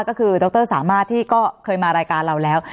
ก็คือดรสามารถที่ก็เคยมารายการเราแล้ว